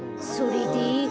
それで？